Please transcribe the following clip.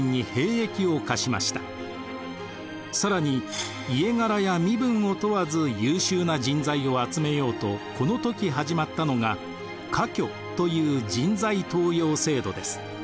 更に家柄や身分を問わず優秀な人材を集めようとこの時始まったのが「科挙」という人材登用制度です。